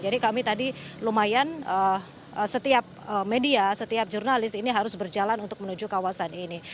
jadi kami tadi lumayan setiap media setiap jurnalis ini harus berjalan untuk menuju kawasan ini